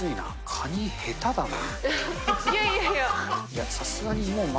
カニ、下手だな。